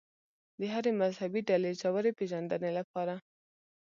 د هرې مذهبي ډلې ژورې پېژندنې لپاره.